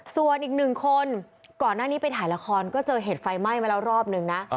ส่วนอีกหนึ่งคนก่อนหน้านี้ไปถ่ายละครก็เจอเหตุไฟไหม้มาแล้วรอบนึงนะ